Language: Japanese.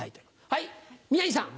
はい宮治さん。